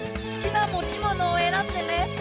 すきなもちものをえらんでね。